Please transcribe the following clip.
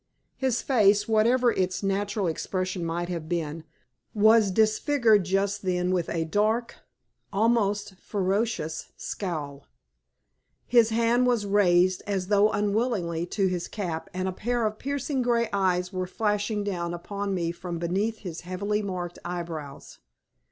His face, whatever its natural expression might have been, was disfigured just then with a dark, almost a ferocious, scowl. His hand was raised, as though unwillingly, to his cap, and a pair of piercing grey eyes were flashing down upon me from beneath his heavily marked eyebrows.